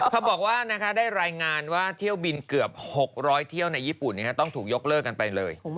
เขาบอกว่าได้รายงานว่าเที่ยวบินเกือบ๖๐๐เที่ยวในญี่ปุ่นต้องถูกยกเลิกกันไปเลย